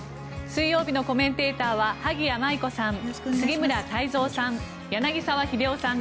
水曜日のコメンテーターは萩谷麻衣子さん、杉村太蔵さん